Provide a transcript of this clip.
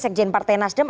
sekjen partai nasdem